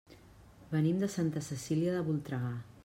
Venim de Santa Cecília de Voltregà.